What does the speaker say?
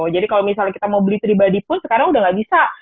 jadi kalau misalnya kita mau beli pribadi pun sekarang udah nggak bisa